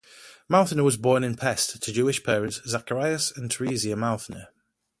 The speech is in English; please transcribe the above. Mauthner was born in Pest to Jewish parents Zacharias and Theresia Mauthner.